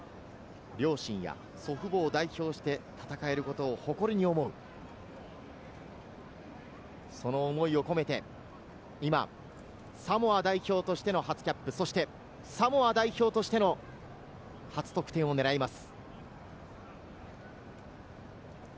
両親や祖父母を代表して戦えることを誇りに思う、その思いを込めて、今、サモア代表としての初キャップ、そしてサモア代表としての初得点を狙います。